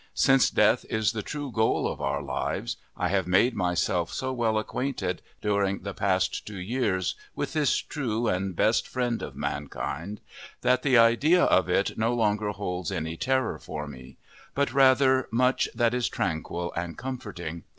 Since death is the true goal of our lives, I have made myself so well acquainted during the past two years with this true and best friend of mankind that the idea of it no longer holds any terror for me, but rather much that is tranquil and comforting.